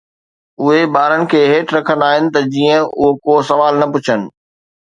اهي ٻارن کي هيٺ رکندا آهن ته جيئن اهي ڪو سوال نه پڇن.